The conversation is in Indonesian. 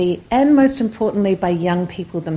dan paling penting untuk orang orang muda sendiri